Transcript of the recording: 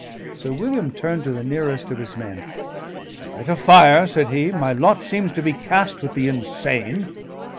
Sir William turned to the nearest of his men. "Light a fire," said he. "My lot seems to be cast with the insane."